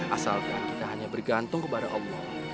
asalkan kita hanya bergantung kepada allah